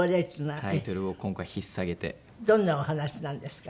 どんなお話なんですか？